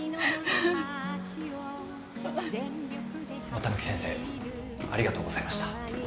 綿貫先生ありがとうございました。